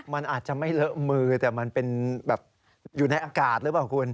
มันอาจจะไม่เลอะมือแต่มันเป็นแบบอยู่ในอากาศหรือเปล่าคุณ